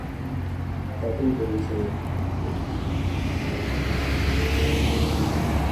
আর তাতেই বেধেছে বিপত্তি।